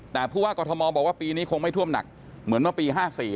แต่ผู้ว่ากรทมบอกว่าปีนี้คงไม่ท่วมหนักเหมือนเมื่อปี๕๔